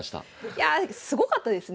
いやあすごかったですね。